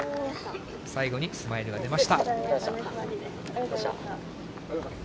最後にスマイルが出ました。